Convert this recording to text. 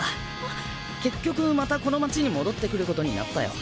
結局またこの街に戻ってくることになったよ。